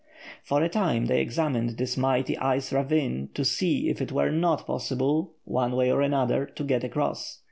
For a time they examined this mighty ice ravine to see if it were not possible, one way or another, to get across.